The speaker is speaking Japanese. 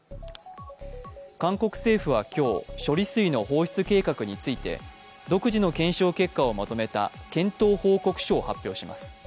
韓国政府は今日、処理水の放出計画について独自の検証結果をまとめた検討報告書を発表します。